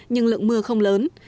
nhưng lượng mưa không lớn